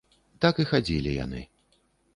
Так і хадзілі яны.